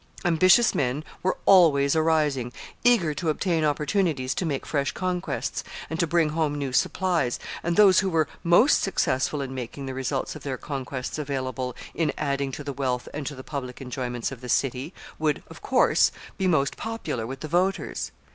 Ambitious men were always arising, eager to obtain opportunities to make fresh conquests, and to bring home new supplies, and those who were most successful in making the results of their conquests available in adding to the wealth and to the public enjoyments of the city, would, of course, be most popular with the voters.